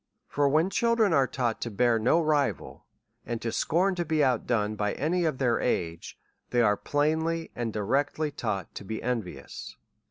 For when children are taught to bear no rivals and to scorn to be out done by any of their age^ they are plainly and directly taufflit to be envious.